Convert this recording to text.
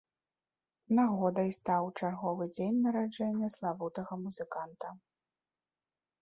Нагодай стаў чарговы дзень нараджэння славутага музыканта.